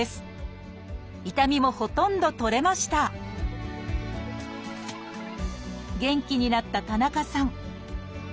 痛みもほとんど取れました元気になった田中さん。